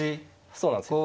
そうなんですよ。